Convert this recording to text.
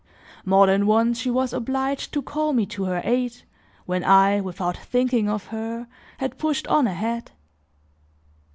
More than once, she was obliged to call me to her aid when I, without thinking of her, had pushed on ahead.